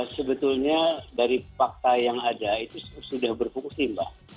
sebetulnya dari fakta yang ada itu sudah berfungsi mbak